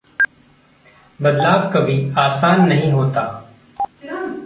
बदलाव कभी आसान नहीं होता।